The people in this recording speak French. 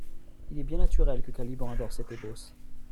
Il est bien naturel que Caliban adore Sétébos.